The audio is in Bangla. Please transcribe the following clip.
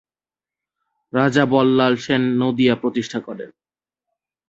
রাজা বল্লাল সেন নদিয়া প্রতিষ্ঠা করেন।